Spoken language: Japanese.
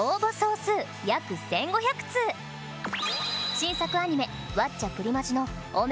新作アニメ『ワッチャプリマジ！』の御芽